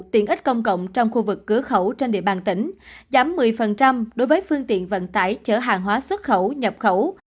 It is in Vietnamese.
tiện ích công cộng trong khu vực cửa khẩu trên địa bàn tỉnh giảm một mươi đối với phương tiện vận tải chở hàng hóa xuất khẩu nhập khẩu